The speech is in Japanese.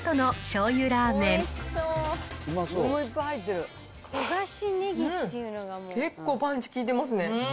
うん、結構パンチ利いてますね。